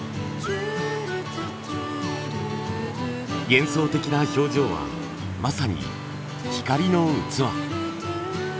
幻想的な表情はまさに光の器。